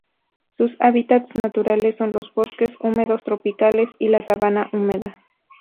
Sus hábitats naturales son los bosques húmedos tropicales y la sabana húmeda.